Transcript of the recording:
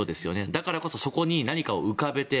だからこそそこに何かを浮かべて